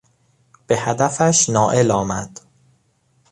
به هدفش نائل آمد.